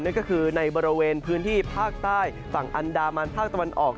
นั่นก็คือในบริเวณพื้นที่ภาคใต้ฝั่งอันดามันภาคตะวันออก